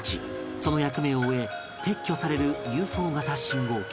その役目を終え撤去される ＵＦＯ 型信号機